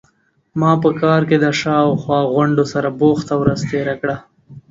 ما په کار کې د شا او خوا غونډو سره بوخته ورځ تیره کړه.